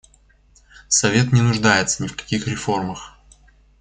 Совет не нуждается ни в каких реформах.